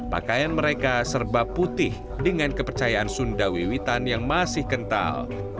pakaian mereka serba putih dengan kepercayaan sunda wiwitan yang masih kental